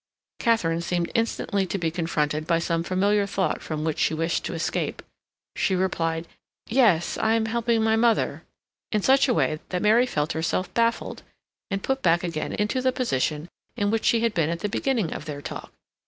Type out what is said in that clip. Katharine seemed instantly to be confronted by some familiar thought from which she wished to escape. She replied, "Yes, I am helping my mother," in such a way that Mary felt herself baffled, and put back again into the position in which she had been at the beginning of their talk.